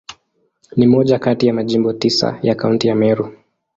Ni moja kati ya Majimbo tisa ya Kaunti ya Meru.